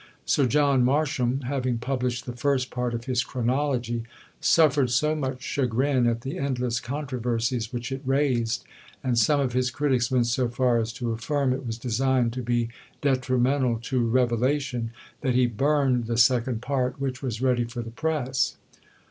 Sir John Marsham, having published the first part of his "Chronology," suffered so much chagrin at the endless controversies which it raised and some of his critics went so far as to affirm it was designed to be detrimental to revelation that he burned the second part, which was ready for the press.